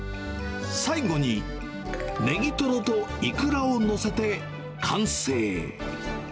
最後にネギトロとイクラを載せて完成。